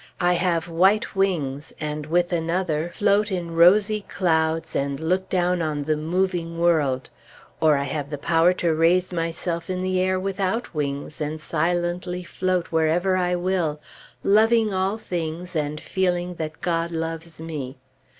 I have white wings, and with another, float in rosy clouds, and look down on the moving world; or I have the power to raise myself in the air without wings, and silently float wherever I will, loving all things and feeling that God loves me.